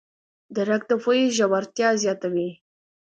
درک د پوهې ژورتیا زیاتوي.